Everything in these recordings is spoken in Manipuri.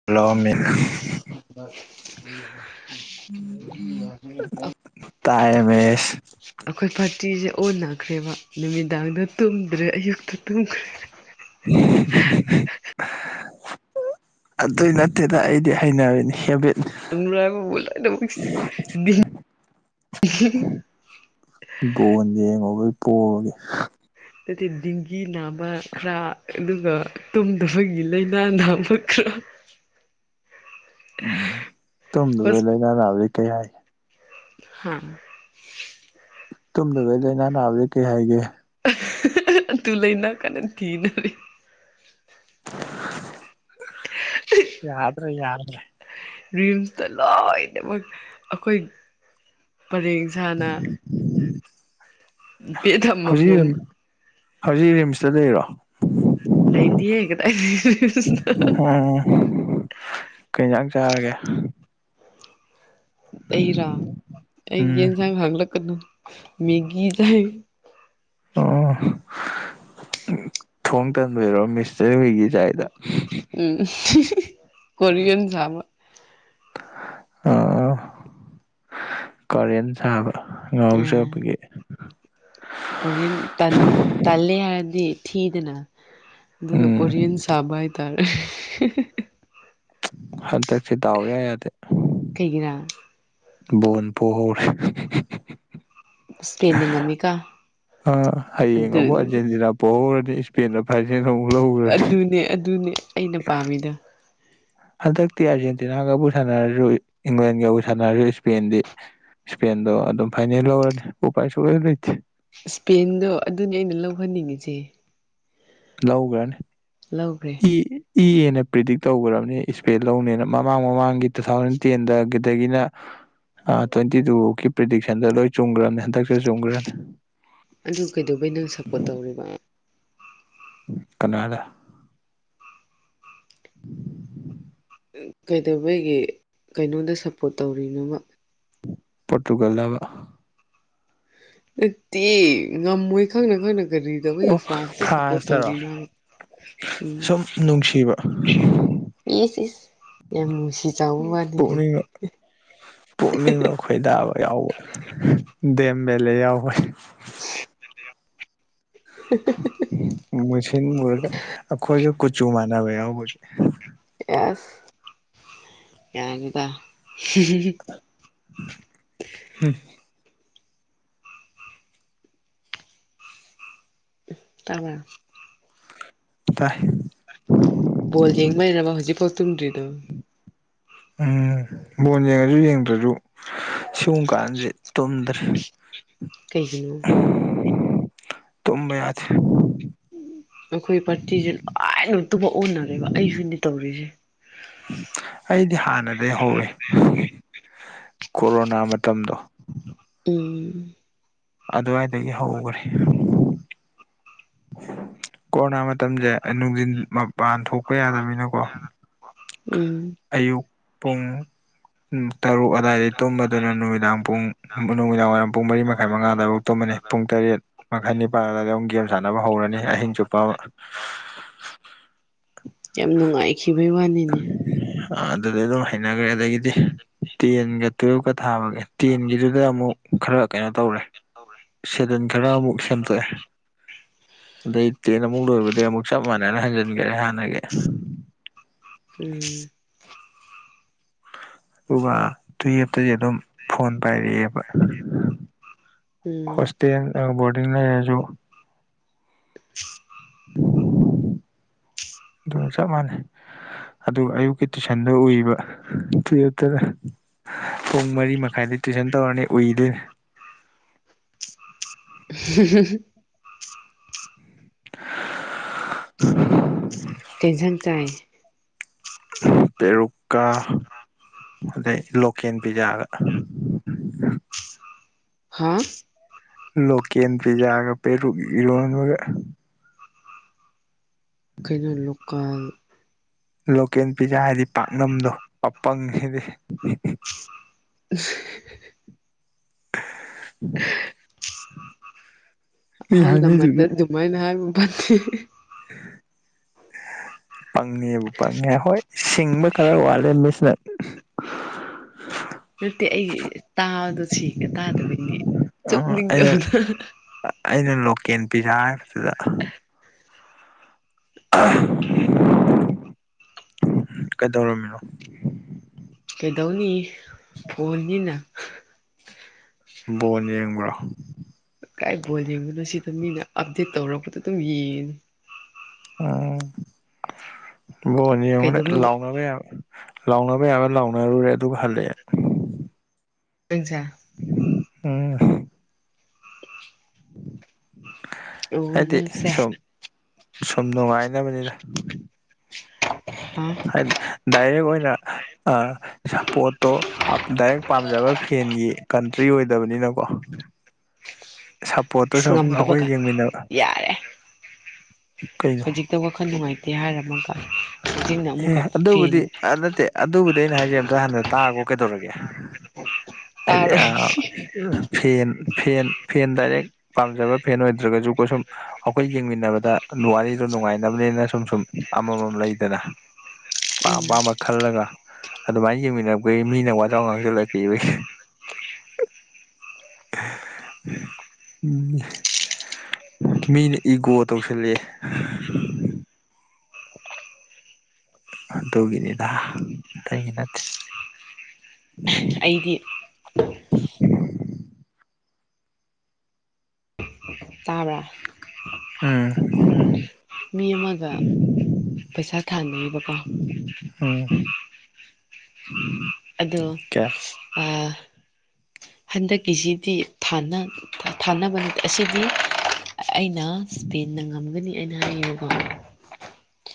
[unintelligible] [unintelligible] ꯇꯥꯌꯦꯃꯦ ꯑꯁ ꯑꯩꯈꯣꯏ ꯄꯥꯔꯇꯤꯁꯦ ꯑꯣꯟꯅꯈ꯭ꯔꯦꯕ ꯅꯨꯃꯤꯗꯥꯡꯗ ꯇꯨꯝꯗ꯭ꯔꯦ ꯑꯌꯨꯛꯇ ꯇꯨꯝꯈ꯭ꯔꯦ [inaudible] ꯑꯗꯨꯏ ꯅꯠꯇꯦꯗ ꯑꯩꯗꯤ ꯍꯩꯅꯕꯅꯤ ꯍꯦꯕꯤꯠ [unintelligible] ꯕꯣꯟ ꯌꯦꯡꯉꯨꯕꯩ ꯄꯣꯕꯒꯤ ꯇꯗꯤ ꯗꯤꯡꯒꯤ ꯅꯥꯕ ꯈꯔ ꯑꯗꯨꯒ ꯇꯨꯝꯗꯕꯒꯤ ꯂꯩꯅꯥ ꯅꯥꯕ ꯈꯔ ꯎꯝ ꯇꯨꯝꯗꯕꯩ ꯂꯩꯅꯥ ꯅꯥꯕꯗꯤ ꯀꯩ ꯍꯥꯏ ꯍꯥ ꯇꯨꯝꯗꯕꯩ ꯂꯩꯅꯥ ꯅꯥꯕꯖꯤ ꯀꯩ ꯍꯥꯏꯒꯦ [unintelligible] ꯌꯥꯗ꯭ꯔꯦ ꯌꯥꯗ꯭ꯔꯦ ꯔꯤꯝꯁꯇ ꯂꯣꯏꯅꯃꯛ ꯑꯩꯈꯣꯏ ꯄꯔꯦꯡ ꯁꯥꯥꯅ ꯕꯦꯠ ꯑꯃꯃꯝ ꯍꯧꯖꯤꯟ ꯍꯧꯖꯤꯛ ꯔꯤꯝꯁꯇ ꯂꯩꯔꯣ ꯂꯩꯇꯤꯌꯦ ꯀꯗꯥꯏꯗꯒꯤ [unintelligible] ꯎꯝ ꯀꯩ ꯖꯥꯡ ꯆꯥꯔꯒꯦ ꯑꯩꯔꯥ ꯑꯩ ꯎꯝ ꯌꯦꯟꯁꯥꯡ ꯍꯪꯂꯛꯀꯅꯨ ꯃꯦꯒꯤ ꯆꯥꯏ ꯑꯣ ꯊꯣꯡ ꯇꯟꯕꯩꯔꯣ ꯃꯤꯁꯁꯦ ꯃꯦꯒꯤ ꯆꯥꯏꯗꯣ ꯎꯝ ꯀꯣꯔꯤꯌꯟ ꯁꯥꯕ ꯑꯣ ꯑꯣ ꯀꯣꯔꯤꯌꯟ ꯁꯥꯕ ꯎꯝ ꯉꯥꯎꯖꯕꯒꯤ ꯀꯣꯔꯤꯌꯟ ꯇꯟ ꯇꯜꯂꯦ ꯍꯥꯏꯔꯗꯤ ꯊꯤꯗꯅ ꯑꯗꯨꯅ ꯎꯝ ꯀꯣꯔꯤꯌꯟ ꯁꯥꯕ ꯍꯥꯏꯇꯥꯔꯦ ꯍꯟꯗꯛꯁꯦ ꯗꯥꯎ ꯏꯌꯥ ꯌꯥꯗꯦ ꯀꯩꯒꯤꯔꯥ ꯕꯣꯟ ꯄꯣꯍꯧꯔꯦ ꯏꯁꯄꯦꯟꯅ ꯉꯝꯃꯤꯀ ꯑꯥ ꯍꯌꯦꯡ ꯑꯃꯨꯛ ꯑꯗꯨꯅꯤ ꯑꯥꯔꯖꯦꯟꯇꯤꯅꯥ ꯄꯣꯍꯧꯔꯅꯤ ꯁꯄꯦꯟꯅ ꯐꯥꯔꯁꯅꯦ ꯑꯃꯨꯛ ꯂꯧꯈ꯭ꯔꯅꯤ ꯑꯗꯨꯅꯦ ꯑꯗꯨꯅꯦ ꯑꯩꯅ ꯄꯥꯝꯃꯤꯗꯣ ꯍꯟꯗꯛꯇꯤ ꯑꯥꯔꯖꯦꯟꯇꯤꯅꯥꯒꯕꯨ ꯁꯥꯟꯅꯔꯁꯨ ꯏꯪꯂꯦꯟꯒꯕꯨ ꯁꯥꯟꯅꯔꯁꯨ ꯏꯁꯄꯦꯟꯗꯤ ꯏꯁꯄꯦꯟꯗꯣ ꯑꯗꯨꯝ ꯐꯥꯏꯅꯦꯜ ꯂꯧꯔꯅꯤ ꯎꯄꯥꯏ ꯁꯨꯛꯂꯩ ꯂꯩꯇꯦ ꯏꯁꯄꯦꯟꯗꯣ ꯑꯗꯨꯅꯤ ꯑꯩꯅ ꯂꯧꯍꯟꯅꯤꯡꯉꯤꯁꯦ ꯂꯧꯒꯔꯅꯤ ꯂꯧꯒ꯭ꯔꯦ ꯏ ꯏ ꯍꯦꯟꯅ ꯄ꯭ꯔꯤꯗꯤꯛ ꯇꯧꯈ꯭ꯔꯕꯅꯦ ꯏꯁꯄꯦꯟꯅ ꯂꯧꯅꯦꯅ ꯃꯃꯥꯡ ꯃꯃꯥꯡꯒꯤ ꯇꯨ ꯊꯥꯎꯖꯟ ꯇꯦꯟꯗꯒꯤꯗꯒꯤꯅ ꯇ꯭ꯋꯦꯟꯇꯤ ꯇꯨꯀꯤ ꯄ꯭ꯔꯤꯗꯤꯛꯁꯟꯗ ꯂꯣꯏ ꯆꯨꯝꯈ꯭ꯔꯕꯅꯦ ꯍꯟꯗꯛꯁꯨ ꯆꯨꯝꯈ꯭ꯔꯅꯤ ꯑꯗꯨ ꯀꯩꯗꯧꯕꯩꯅꯣ ꯁꯞꯄꯣꯔꯠ ꯇꯧꯔꯤꯕ ꯀꯅꯥꯗ ꯀꯩꯗꯧꯕꯒꯤ ꯀꯩꯅꯣꯗ ꯁꯞꯄꯣꯔꯠ ꯇꯧꯔꯤꯅꯣꯕ ꯄꯣꯔꯇꯨꯒꯜꯂꯕ ꯅꯠꯇꯦ ꯉꯝꯃꯣꯏ ꯈꯪꯅ ꯈꯪꯅ ꯑꯣ ꯀꯔꯤꯇꯧꯕꯩ ꯐ꯭ꯔꯥꯟꯁꯇ ꯁꯄꯣꯠ ꯐ꯭ꯔꯥꯟꯁꯇꯔꯣ ꯇꯧꯔꯤꯅꯣ ꯎꯝ ꯁꯨꯝ ꯅꯨꯡꯁꯤꯕ ꯏꯁ ꯏꯁ ꯌꯥꯝ ꯎꯠꯁꯤꯠ ꯄꯨꯛꯅꯤꯡꯅ ꯄꯨꯛꯅꯤꯡꯅ ꯈꯣꯏꯗꯥꯕ ꯌꯥꯎꯕ ꯗꯦꯝ ꯃꯦꯂꯦ ꯌꯥꯎꯕ [unintelligible] ꯃꯨꯁꯤꯟ ꯃꯨꯔꯒ ꯑꯈꯣꯏꯒ ꯀꯨꯆꯨ ꯃꯥꯟꯅꯕ ꯌꯥꯎꯕꯒꯤ ꯑꯁ ꯌꯥꯅꯤꯗ [inaudible] ꯎꯝ ꯇꯥꯕ꯭ꯔꯥ ꯇꯥꯏ ꯕꯣꯜ ꯌꯦꯡꯕꯩꯔꯕ ꯍꯧꯖꯤꯛꯐꯥꯎ ꯇꯨꯝꯗ꯭ꯔꯤꯗꯣ ꯎꯝ ꯕꯣꯜ ꯌꯦꯡꯉꯁꯨ ꯌꯦꯡꯗ꯭ꯔꯁꯨ ꯁꯤꯒꯨꯝꯕ ꯀꯥꯟꯖꯦ ꯇꯨꯝꯗ꯭ꯔꯦ ꯀꯩꯒꯤꯅꯣ ꯇꯨꯝꯕ ꯌꯥꯗꯦ ꯑꯈꯣꯏ ꯄꯥꯔꯇꯤꯁꯦ ꯂꯣꯏꯅ ꯇꯨꯝꯕ ꯑꯣꯟꯅꯔꯦꯕ ꯑꯩꯁꯨꯅꯦ ꯇꯧꯔꯤꯁꯦ ꯑꯩꯗꯤ ꯍꯥꯟꯅꯗꯒꯤ ꯍꯧꯔꯦ ꯀꯣꯔꯣꯅꯥ ꯃꯇꯝꯗꯣ ꯎꯝ ꯑꯗꯨꯋꯥꯏꯗꯒꯤ ꯍꯧꯒ꯭ꯔꯦ ꯀꯣꯔꯣꯅꯥ ꯃꯇꯝꯁꯦ ꯅꯨꯡꯊꯤꯟ ꯃꯄꯥꯟ ꯊꯣꯛꯄ ꯌꯥꯗꯕꯅꯤꯅꯀꯣ ꯎꯝ ꯑꯌꯨꯛ ꯄꯨꯡ [unintelligible] ꯇꯔꯨꯛ ꯑꯗꯥꯏꯗꯩ ꯇꯨꯝꯕꯗꯨꯅ ꯅꯨꯃꯤꯗꯥꯡ ꯄꯨꯡ ꯅꯨꯃꯤꯗꯥꯡꯋꯥꯏꯔꯝ ꯄꯨꯡ ꯃꯔꯤ ꯃꯈꯥꯏ ꯃꯉꯥ ꯑꯗꯥꯏꯐꯥꯎ ꯇꯨꯝꯃꯅꯤ ꯄꯨꯡ ꯇꯔꯦꯠ ꯃꯈꯥꯏ ꯅꯤꯄꯥꯜ ꯑꯗꯥꯏꯗ ꯑꯃꯨꯛ ꯒꯦꯝ ꯁꯥꯟꯅꯕ ꯍꯧꯔꯅꯤ ꯑꯍꯤꯡ ꯆꯨꯞꯄ ꯑꯃ ꯌꯥꯝ ꯅꯨꯡꯉꯥꯏꯈꯤꯕꯩ ꯋꯥꯅꯤꯅꯦ ꯑꯥ ꯑꯗꯨꯗꯩ ꯑꯗꯨꯝ ꯍꯩꯅꯒ꯭ꯔꯦ ꯑꯗꯒꯤꯗꯤ ꯇꯦꯟꯒ ꯇꯨꯋꯦꯜꯐꯀ ꯊꯥꯕꯒꯤ ꯇꯦꯟꯒꯤꯗꯨꯗ ꯑꯃꯨꯛ ꯈꯔ ꯀꯩꯅꯣ ꯇꯧꯔꯦ ꯁꯦꯗꯨꯟ ꯈꯔ ꯑꯃꯨꯛ ꯁꯦꯝꯗꯣꯛꯑꯦ ꯑꯗꯩ ꯇꯦꯟ ꯑꯃꯨꯛ ꯂꯣꯏꯕꯗꯩ ꯑꯃꯨꯛ ꯆꯞ ꯃꯥꯟꯅꯅ ꯍꯟꯖꯤꯟꯒꯔꯦ ꯍꯥꯟꯅꯒꯤ ꯎꯝ ꯑꯗꯨꯒ ꯇꯨꯌꯦꯞꯇꯗꯤ ꯑꯗꯨꯝ ꯐꯣꯟ ꯄꯥꯏꯔꯛꯑꯦꯕ ꯎꯝ ꯍꯣꯁꯇꯦꯜ ꯕꯣꯔꯗꯤꯡ ꯂꯩꯔꯖꯨ [inaudible] ꯑꯗꯨꯝ ꯆꯞ ꯃꯥꯟꯅꯩ ꯑꯗꯨꯒ ꯑꯌꯨꯛꯀꯤ ꯇꯨꯏꯁꯟꯗ ꯎꯏꯕ ꯇꯨꯌꯦꯞꯇꯅ ꯄꯨꯡ ꯃꯔꯤ ꯃꯈꯥꯏꯗꯩ ꯇꯨꯏꯁꯟ ꯇꯧꯔꯅꯤ ꯎꯏꯗꯣꯏꯅꯤ [unintelligible] [unintelligible] ꯀꯩ ꯖꯥꯡ ꯆꯥꯏ ꯄꯦꯔꯨꯛꯀꯥ ꯑꯗꯩ ꯂꯣꯀꯦꯟ ꯄꯤꯖꯥꯒ ꯍꯥꯥ ꯂꯣꯀꯦꯟ ꯄꯤꯖꯥꯒ ꯄꯦꯔꯨꯛ ꯏꯔꯣꯟꯕꯒ ꯀꯩꯅꯣ ꯂꯣꯀꯜ ꯂꯣꯀꯦꯟ ꯄꯤꯖꯥ ꯍꯥꯏꯗꯤ ꯄꯥꯛꯅꯝꯗꯣ ꯑꯄꯪꯁꯤꯗꯤ [unintelligible] [inaudible] ꯃꯤ ꯑꯍꯜ ꯂꯃꯟꯗ ꯍꯥꯏꯅꯩꯗꯨꯗꯤ ꯑꯗꯨꯃꯥꯏꯅ ꯍꯥꯏꯕ ꯐꯠꯇꯦ ꯄꯪꯉꯦꯕꯨ ꯄꯪꯉꯦ ꯍꯣꯏ ꯁꯤꯡꯕ ꯈꯔ ꯋꯥꯠꯂꯦ ꯃꯤꯁ ꯅꯪ ꯅꯠꯇꯦ ꯑꯩ ꯇꯥꯕꯗꯣ ꯁꯦꯡꯅ ꯇꯥꯗꯕꯩꯅꯦ ꯑꯩꯅ ꯆꯣꯞꯅꯤꯡꯗꯕꯗꯣ ꯑꯩꯅ ꯂꯣꯀꯦꯟ ꯄꯤꯖꯥ ꯍꯥꯏꯕꯗꯨꯗ ꯀꯩꯗꯧꯔꯝꯃꯤꯅꯣ ꯀꯩꯗꯧꯅꯤ ꯐꯣꯟꯅꯤꯅ ꯕꯣꯟ ꯌꯦꯡꯕ꯭ꯔꯣ ꯀꯥꯏ ꯕꯣꯜ ꯌꯦꯡꯕꯅꯣ ꯁꯤꯗ ꯃꯤꯅ ꯑꯞꯗꯦꯠ ꯇꯧꯔꯛꯄꯗꯨ ꯑꯗꯨꯝ ꯌꯦꯡꯉꯤꯅꯤ ꯎꯝ ꯕꯣꯜ ꯌꯦꯡꯕꯗ ꯀꯩꯗꯧꯕꯩ ꯂꯥꯎꯅꯕ ꯌꯥꯕ ꯂꯥꯎꯅꯕ ꯌꯥꯕ ꯂꯥꯎꯅꯔꯨꯔꯦ ꯑꯗꯨꯒ ꯍꯜꯂꯛꯑꯦ ꯅꯪꯖꯦ ꯎꯝ ꯑꯣ ꯍꯥꯏꯗꯤ ꯅꯪꯁꯦ ꯁꯨꯝ ꯁꯨꯝ ꯅꯨꯡꯉꯥꯏꯅꯕꯅꯤꯗ ꯍꯥ ꯍꯥꯏꯗꯤ ꯗꯥꯏꯔꯦꯛ ꯑꯣꯏꯅ ꯑꯥ ꯁꯄꯣꯠꯇꯣ ꯑꯞ ꯗꯥꯏꯔꯦꯛ ꯄꯥꯝꯖꯕ ꯐꯦꯟꯒꯤ ꯀꯟꯇ꯭ꯔꯤ ꯑꯣꯏꯗꯕꯅꯤꯅꯀꯣ ꯁꯞꯄꯣꯔꯠꯇꯣ ꯏꯁ ꯁꯨꯝ ꯑꯩꯈꯣꯏ ꯉꯝꯗꯕꯀꯥꯟ ꯌꯦꯡꯃꯤꯟꯅꯕ ꯌꯥꯔꯦ ꯀꯩꯅꯣ ꯍꯧꯖꯤꯛꯇ ꯋꯥꯈꯟ ꯅꯨꯡꯉꯥꯏꯇꯦ ꯍꯥꯏꯔꯝꯃꯒꯥ ꯑꯦ ꯑꯗꯨꯕꯨꯗꯤ ꯑꯥ ꯅꯠꯇꯦ ꯑꯗꯨꯕꯨꯗꯤ ꯑꯩꯅ ꯍꯥꯏꯖꯦ ꯑꯝꯇ ꯍꯥꯟꯅ ꯇꯥꯒꯣ ꯀꯩꯗꯧꯔꯒꯦ ꯍꯥꯏꯗꯤ ꯇꯥꯔꯣꯏ ꯑꯥ ꯐꯦꯟ ꯐꯦꯟ ꯐꯦꯟ ꯗꯥꯏꯔꯦꯛ ꯄꯥꯝꯖꯕ ꯐꯦꯟ ꯑꯣꯏꯗ꯭ꯔꯒꯖꯨꯀꯣ ꯁꯨꯝ ꯑꯈꯣꯏ ꯌꯦꯡꯃꯤꯟꯅꯕꯗ ꯋꯥꯔꯤꯗꯣ ꯅꯨꯡꯉꯥꯏꯅꯕꯅꯦꯅ ꯁꯨꯝ ꯁꯨꯝ ꯑꯃꯥꯃꯝ ꯂꯩꯗꯅ ꯑꯄꯥꯝ ꯎꯝ ꯄꯥꯝꯕ ꯈꯜꯂꯒ ꯑꯗꯨꯃꯥꯏ ꯌꯦꯡꯃꯤꯟꯅꯔꯛꯄꯩ ꯃꯤꯅ ꯋꯥꯖꯥꯎ ꯉꯥꯡꯖꯤꯜꯂꯛ ꯑꯗꯤꯕꯩ ꯎꯝ ꯃꯤꯅ ꯏꯒꯣ ꯇꯧꯁꯤꯜꯂꯑꯦ ꯑꯗꯨꯒꯤꯅꯤꯗ ꯑꯇꯩꯒꯤ ꯅꯠꯇꯦ ꯑꯩꯗꯤ ꯇꯥꯕ꯭ꯔꯥ ꯎꯝ ꯃꯤ ꯑꯃꯥꯒ ꯄꯩꯁꯥ ꯊꯥꯅꯤꯡꯕꯀꯣ ꯎꯝ ꯑꯗꯨ ꯀꯦ ꯑꯥ ꯍꯟꯗꯛꯀꯤꯁꯤꯗꯤ ꯊꯥꯟꯅ ꯊꯥꯅꯕ ꯑꯁꯤꯗꯤ ꯑꯩꯅ ꯁ꯭ꯄꯦꯟꯅ ꯉꯝꯒꯅꯤ ꯑꯩꯅ ꯍꯥꯌꯦꯕꯀꯣ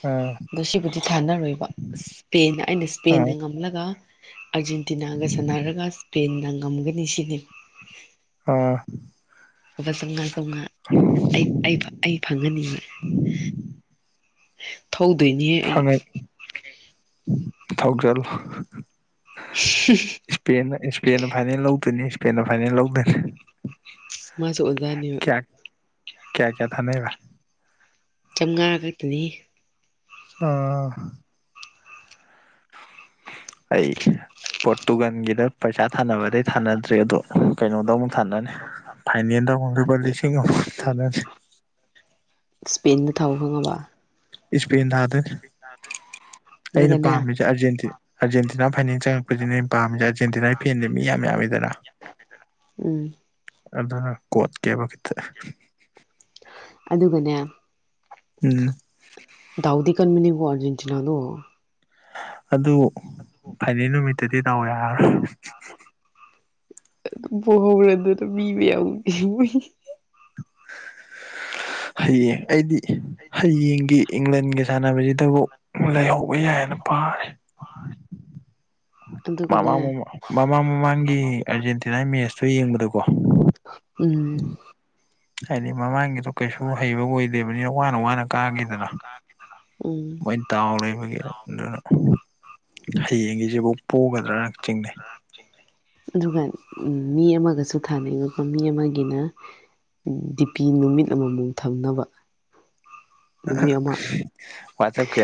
ꯎꯝ ꯗꯣ ꯁꯤꯕꯨꯗꯤ ꯊꯥꯟꯅꯔꯣꯏꯕ ꯏꯁꯄꯦꯟꯅ ꯑꯩꯅ ꯁ꯭ꯄꯦꯟꯅ ꯎꯝ ꯉꯝꯂꯒ ꯑꯥꯔꯖꯦꯟꯇꯤꯅꯥꯒ ꯁꯥꯟꯅꯔꯒ ꯏꯁꯄꯦꯟꯅ ꯉꯝꯒꯅꯤ ꯁꯤꯅꯤ ꯑꯥ ꯂꯨꯄ ꯆꯝꯉ ꯆꯝꯉ ꯑꯩ ꯑꯩ ꯐꯥ ꯑꯩ ꯐꯪꯒꯅꯤꯕ ꯊꯧꯗꯣꯏꯅꯤꯍꯦ [unintelligible] ꯊꯧꯖꯜꯂꯣ [unintelligible] ꯏꯁꯄꯦꯟꯅ ꯏꯁꯄꯦꯟꯅ ꯐꯥꯏꯅꯦꯜ ꯂꯧꯗꯣꯏꯅꯤ ꯏꯁꯄꯦꯟꯅ ꯐꯥꯏꯅꯦꯜ ꯂꯧꯗꯣꯏꯅꯤ ꯃꯥꯁꯨ ꯑꯣꯖꯥꯅꯤꯕ ꯀꯌꯥ ꯀꯌꯥ ꯀꯌꯥ ꯊꯅꯩꯕ ꯆꯥꯝꯉꯥ ꯈꯛꯇꯅꯤ ꯑꯥ ꯑꯩ ꯄꯣꯠꯇꯨꯒꯟꯒꯤꯗ ꯄꯩꯁꯥ ꯊꯥꯅꯕꯗꯩ ꯊꯥꯅꯗ꯭ꯔꯤ ꯑꯗꯣ ꯀꯩꯅꯣꯗ ꯑꯃꯨꯛ ꯊꯥꯅꯅꯤ ꯐꯥꯏꯅꯦꯜꯗ ꯑꯃꯨꯛ ꯂꯨꯄꯥ ꯂꯤꯁꯤꯡ ꯑꯃꯨꯛ ꯊꯥꯅꯅꯤ ꯏꯁꯄꯦꯟꯗ ꯊꯥꯎ ꯈꯪꯉꯕ ꯏꯁꯄꯦꯟ ꯊꯥꯗꯣꯏꯅꯤ [unintelligible] ꯑꯩꯅ ꯑꯗꯨꯒꯅꯦ ꯄꯥꯝꯃꯤꯁꯦ ꯑꯥꯔꯖꯦꯟꯇꯤ ꯑꯥꯔꯖꯦꯟꯇꯤꯅꯥ ꯐꯥꯏꯅꯦꯜ ꯆꯪꯉꯛꯄꯁꯤꯅꯦ ꯑꯩꯅ ꯄꯥꯝꯃꯤꯁꯦ ꯑꯔꯖꯦꯟꯇꯤꯅꯥꯒꯤ ꯐꯦꯟꯗ ꯃꯤ ꯌꯥꯝ ꯌꯥꯝꯃꯤꯗꯅ ꯎꯝ ꯑꯗꯨꯅ ꯀꯣꯠ ꯀꯦꯕ ꯕꯤꯠꯇ ꯑꯗꯨꯒꯅꯦ ꯎꯝ ꯗꯥꯎꯗꯤ ꯀꯟꯕꯅꯤꯀꯣ ꯑꯔꯖꯦꯟꯇꯤꯅꯗꯣ ꯑꯗꯨ ꯐꯥꯏꯅꯦꯜ ꯅꯨꯃꯤꯠꯇꯗꯤ ꯗꯥꯎ ꯌꯥꯔꯔꯣꯏ ꯄꯣꯍꯧꯔꯖꯨ ꯃꯤ ꯃꯌꯥꯝꯒꯤ [unintelligible] [inaudible] ꯍꯌꯦꯡ ꯑꯩꯗꯤ ꯍꯌꯦꯡꯒꯤ ꯏꯪꯂꯦꯟꯒꯤ ꯁꯥꯟꯅꯕꯁꯤꯇꯕꯨ ꯂꯩꯍꯧꯕ ꯌꯥꯏꯌꯦꯅ ꯄꯔꯤ [unintelligible] ꯑꯗꯨꯒꯅꯦ ꯃꯃꯥꯡ ꯃꯃ ꯃꯃꯥꯡ ꯃꯃꯥꯡꯒꯤ ꯑꯔꯖꯦꯟꯇꯤꯅꯥꯒꯤ ꯃꯦꯠꯁꯇꯣ ꯌꯦꯡꯕꯗꯀꯣ ꯎꯝ ꯍꯥꯏꯗꯤ ꯃꯃꯥꯡꯒꯤꯗꯣ ꯀꯩꯁꯨ ꯍꯩꯕ ꯑꯣꯏꯗꯦꯕꯅꯤꯅ ꯋꯥꯅ ꯋꯥꯅ ꯀꯥꯒꯤꯗꯅ ꯎꯝ ꯃꯣꯏ ꯗꯥꯎ ꯂꯩꯕꯒꯤ ꯑꯗꯨꯅ ꯍꯌꯦꯡꯒꯤꯖꯤꯕꯣꯛ ꯄꯣꯒꯗ꯭ꯔꯥꯅ ꯆꯤꯡꯅꯩ ꯑꯗꯨꯒ ꯎꯝ ꯃꯤ ꯑꯃꯒꯁꯨ ꯊꯥꯅꯩ [unintelligible] ꯃꯤ ꯑꯃꯒꯤꯅ ꯗꯤꯄꯤ ꯅꯨꯃꯤꯠ ꯑꯃꯝꯃꯝ ꯊꯝꯅꯕ ꯅꯨꯃꯤꯠ ꯑꯃ ꯋꯥꯆꯞꯀꯤ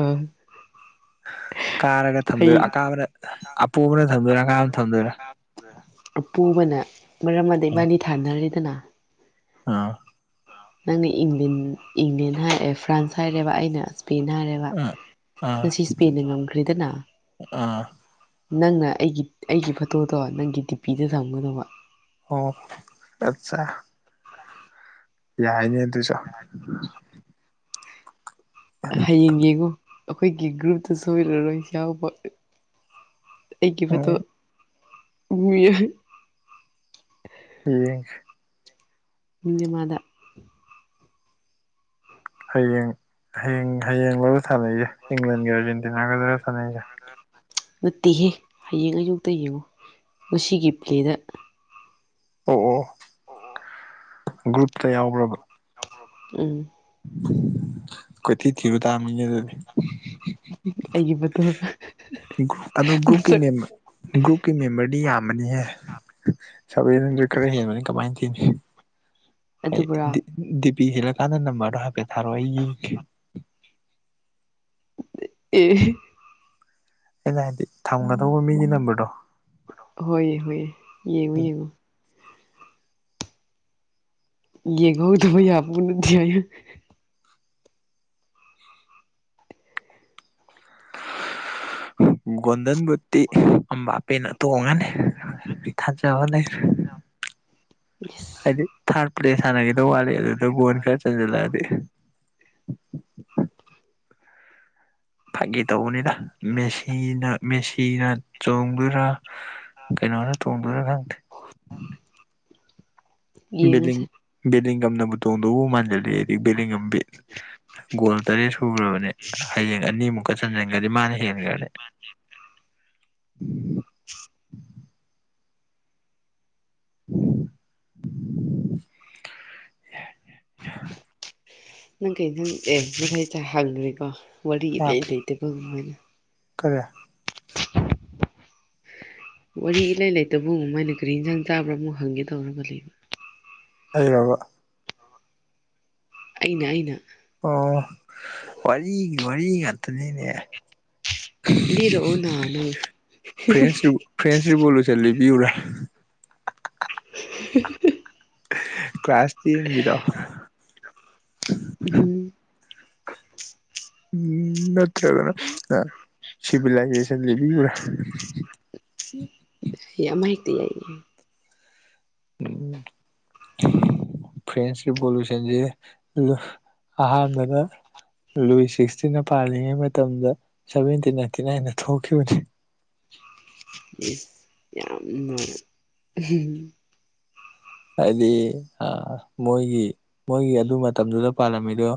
ꯑꯥ ꯀꯥꯔꯒ ꯑꯩ ꯊꯝꯗꯣꯏꯔꯥ ꯑꯀꯥꯕꯅ ꯑꯄꯣꯕꯅ ꯊꯝꯗꯣꯏꯔꯥ ꯑꯀꯥꯕꯅ ꯊꯝꯗꯣꯏꯔꯥ ꯑꯄꯨꯕꯅ ꯃꯔꯝꯃꯗꯩ ꯏꯕꯅꯤ ꯊꯥꯅꯔꯤꯗꯅ ꯑꯥ ꯅꯪꯅ ꯏꯪꯂꯤꯟ ꯏꯪꯂꯦꯟ ꯍꯥꯏ ꯑꯦ ꯐ꯭ꯔꯥꯟꯁ ꯍꯥꯏꯔꯦꯕ ꯑꯩꯅ ꯁ꯭ꯄꯦꯟ ꯍꯥꯏꯔꯦ ꯕ ꯑꯥ ꯑꯥ ꯉꯁꯤ ꯁ꯭ꯄꯦꯟꯅ ꯉꯝꯈ꯭ꯔꯦꯗꯅ ꯑꯥ ꯅꯪꯅ ꯑꯩꯒꯤ ꯑꯩꯒꯤ ꯐꯣꯇꯣꯗꯣ ꯅꯪꯒꯤ ꯗꯤꯄꯤꯗ ꯊꯝꯒꯗꯧꯕ ꯑꯣ ꯑꯠꯆꯥ ꯌꯥꯏꯅꯦ ꯑꯗꯨꯁꯨ ꯍꯌꯦꯡ ꯌꯦꯡꯉꯨ ꯑꯈꯣꯏꯒꯤ ꯒ꯭ꯔꯨꯞꯇ ꯁꯣꯏꯔꯔꯣꯏ ꯌꯥꯎꯕ ꯑꯩꯒꯤ ꯐꯣꯇꯣ ꯎꯝ ꯌꯦꯡꯒꯦ ꯅꯤꯅꯦꯃꯥꯗꯥ ꯍꯌꯦꯡ ꯍꯌꯦꯡ ꯍꯌꯦꯡꯂꯕ ꯊꯥꯅꯩꯖꯦ ꯏꯪꯂꯟꯒ ꯑꯥꯔꯖꯦꯟꯇꯤꯅꯥꯒꯗꯔ ꯊꯥꯟꯅꯩꯖꯦ [inaudible] ꯅꯠꯇꯦꯍꯦ ꯍꯌꯦꯡ ꯑꯌꯨꯛꯇ ꯌꯦꯡꯉꯣ ꯉꯁꯤꯒꯤ ꯄ꯭ꯂꯦꯗ ꯑꯣ ꯑꯣ ꯑꯣ ꯒ꯭ꯔꯨꯞꯇ ꯌꯥꯎꯕ꯭ꯔꯕ ꯎꯝ ꯀꯣꯏꯊꯤ ꯊꯤꯔꯨ ꯇꯥꯝꯅꯤꯅꯦ ꯑꯗꯨꯗꯤ ꯑꯩꯒꯤ ꯐꯣꯇꯣ ꯒ꯭ꯔꯨ ꯑꯗꯣ ꯒ꯭ꯔꯨꯞꯀꯤ ꯃꯁꯛ ꯃꯦꯝꯕ ꯒ꯭ꯔꯨꯞꯀꯤ ꯃꯦꯝꯕꯔꯗꯤ ꯌꯥꯝꯃꯅꯤꯍꯦ ꯁꯚꯦꯟ ꯍꯟꯗ꯭ꯔꯦꯠ ꯑꯁ ꯈꯔ ꯍꯦꯟꯕꯅꯤ ꯀꯃꯥꯏ ꯊꯤꯅꯤ ꯑꯦ ꯑꯗꯨꯕꯨꯔꯥ ꯗꯤ ꯗꯤ ꯄꯤ ꯍꯦꯜꯂꯀꯥꯟꯗ ꯅꯝꯕꯔꯗꯣ ꯍꯥꯏꯐꯦꯠ ꯊꯥꯔꯑꯣ ꯑꯩ ꯌꯦꯡꯒꯦ ꯑꯦ ꯑꯩꯅ ꯍꯥꯏꯗꯤ ꯊꯝꯒꯗꯧꯕ ꯃꯤꯒꯤ ꯅꯝꯕꯔꯗꯣ ꯍꯣꯏꯌꯦ ꯍꯣꯏꯌꯦ ꯌꯦꯡꯉꯨ ꯌꯦꯡꯉꯨ ꯌꯦꯡꯍꯧꯗꯕ ꯌꯥꯄꯣꯠ ꯅꯠꯇꯦ ꯍꯥꯏꯌꯨ ꯒꯣꯟꯗꯟ ꯕꯨꯠꯇꯤ ꯑꯝꯕꯥꯄꯦꯅ ꯇꯣꯡꯉꯅꯤ ꯑꯩ ꯊꯥꯖꯕ ꯂꯩ ꯏꯁ ꯍꯥꯏꯗꯤ ꯊꯥꯔ ꯄ꯭ꯂꯦꯁ ꯁꯥꯟꯅꯒꯤꯗꯧ ꯋꯥꯠꯂꯤ ꯑꯗꯨꯗ ꯒꯣꯜ ꯈꯔ ꯆꯟꯖꯜꯂꯛꯑꯗꯤ ꯐꯥꯒꯤ ꯇꯧꯕꯅꯤꯗ ꯃꯦꯁꯤꯅ ꯃꯦꯁꯤꯅ ꯆꯣꯡꯗꯣꯏꯔꯥ ꯀꯩꯅꯣꯅ ꯇꯣꯡꯗꯣꯏꯔꯥ ꯈꯪꯗꯦ ꯌꯦꯡꯉꯁꯦ ꯕꯤꯂꯤꯡ ꯕꯤꯂꯤꯡꯒꯝꯅꯕꯨ ꯇꯣꯡꯗꯧꯕꯨ ꯃꯥꯟꯖꯜꯂꯛꯑꯦ ꯑꯩꯗꯤ ꯕꯤꯂꯤꯡꯉꯝꯕꯤ ꯒꯣꯜ ꯇꯔꯦꯠ ꯁꯨꯒ꯭ꯔꯕꯅꯦ ꯍꯌꯦꯡ ꯑꯅꯤꯃꯨꯛꯀ ꯆꯟꯖꯟꯒ꯭ꯔꯗꯤ ꯃꯥꯅ ꯍꯦꯟꯒ꯭ꯔꯅꯤ [inaudible] [unintelligible] ꯅꯩ ꯀꯩ ꯏꯟꯖꯪ ꯑꯦ ꯉꯁꯥꯏ ꯆꯥ ꯍꯥꯒ꯭ꯔꯦꯀꯣ ꯋꯔꯤ ꯏꯂꯩ ꯂꯩꯇꯦꯀꯣ [unintelligible] ꯀꯔꯤ ꯋꯥꯔꯤ ꯏꯂꯩ ꯂꯩꯇꯕꯨꯃꯥꯏꯅ ꯀꯔꯤ ꯏꯟꯖꯥꯡ ꯆꯥꯕ꯭ꯔꯥ ꯃꯨꯛ ꯍꯪꯒꯦ ꯇꯧꯔꯒ ꯂꯩꯕ [unintelligible] ꯑꯩꯅ ꯑꯩꯅ ꯑꯣ ꯋꯥꯔꯤꯒꯤ ꯋꯥꯔꯤ ꯉꯥꯛꯇꯅꯤꯅꯦ ꯂꯤꯔꯛꯑꯣꯅ ꯅꯪ ꯐ꯭ꯔꯦꯟꯁ ꯌꯨ ꯐ꯭ꯔꯦꯟꯁ ꯔꯤꯕꯣꯂꯨꯁꯟ ꯂꯤꯕꯤꯌꯨꯔꯥ [unintelligible] ꯀ꯭ꯂꯥꯁ ꯇꯦꯟꯒꯤꯗꯣ ꯎꯍꯨꯝ ꯎꯝ ꯅꯠꯇ꯭ꯔꯒꯅ ꯑꯥ ꯁꯤꯚꯤꯂꯥꯏꯖꯦꯁꯟ ꯂꯤꯕꯤꯌꯨꯔꯥ ꯌꯥꯝ ꯍꯩꯇꯦꯌꯦ [unintelligible] ꯐ꯭ꯔꯦꯟꯁ ꯔꯤꯕꯣꯂꯨꯁꯟꯖꯦ ꯑꯍꯥꯟꯕꯗ ꯂꯨꯏꯁ ꯁꯤꯛꯁꯇꯤꯟꯅ ꯄꯥꯜꯂꯤꯉꯩ ꯃꯇꯝꯗ ꯁꯚꯦꯟꯇꯤꯟ ꯅꯥꯏꯟꯇꯤꯅꯥꯏꯟꯗ ꯊꯣꯛꯈꯤꯕꯅꯤ ꯌꯥꯝꯅ ꯍꯥꯏꯗꯤ ꯑꯥ ꯃꯣꯏꯒꯤ ꯃꯣꯏꯒꯤ ꯑꯗꯨ ꯃꯇꯝꯗꯨꯗ ꯄꯥꯜꯂꯝꯃꯤꯗꯣ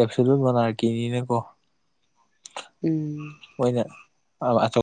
ꯑꯦꯞꯁꯨꯂꯨꯠ ꯃꯣꯅꯥꯔꯀꯤꯅꯤꯅꯀꯣ ꯎꯝ ꯃꯣꯏꯅ [unintelligible]